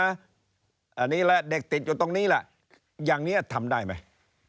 อันนี้แหละเด็กติดอยู่ตรงนี้แหละอย่างนี้ทำได้ไหม